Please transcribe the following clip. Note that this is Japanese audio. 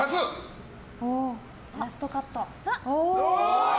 ラストカット。